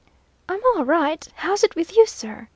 "I'm all right; how's it with you, sir?